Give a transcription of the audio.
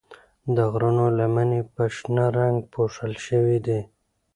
د غرو لمنې په شنه رنګ پوښل شوي دي.